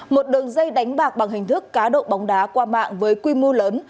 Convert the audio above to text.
một đường dây đánh bạc bằng hình thức cá độ bóng đá qua mạng với quy mô lớn